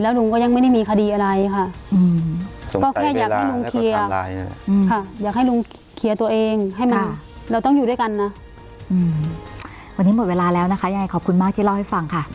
วันนี้หมดเวลาแล้วนะคะยังไงขอบคุณมากที่เล่าให้ฟังค่ะ